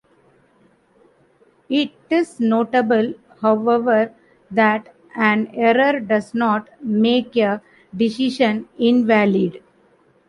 It is notable, however, that an error does not make a decision invalid.